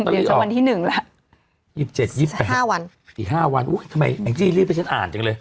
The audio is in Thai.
เดี๋ยวจะวันที่หนึ่งแล้วสิบห้าวันอุ๊ยทำไมแอ็งจี้รีบไปฉันอ่านจังเลย